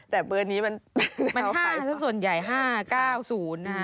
แต่เบอร์นี้มันขายผ้ามัน๕ส่วนใหญ่๕๙๐